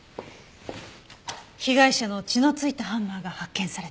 被害者の血の付いたハンマーが発見された。